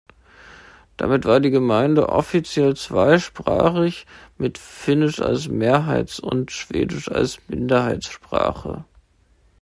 Damit war die Gemeinde offiziell zweisprachig mit Finnisch als Mehrheits- und Schwedisch als Minderheitssprache.